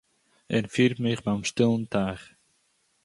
ער פירט מיך בײם שטילן טײך.